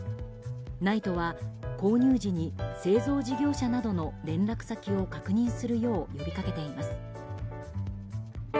ＮＩＴＥは購入時に製造事業者などの連絡先を確認するよう呼びかけています。